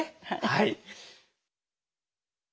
はい。